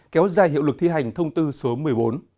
kéo dài hiệu lực thi hành thông tư số một mươi bốn